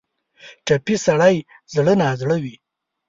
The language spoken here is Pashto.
ټپي سړی زړه نا زړه وي.